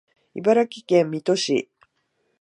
茨城県水戸市